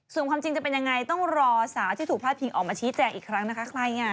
ส่วนความจริงจะเป็นยังไงต้องรอสาวที่ถูกพาดพิงออกมาชี้แจงอีกครั้งนะคะใครอ่ะ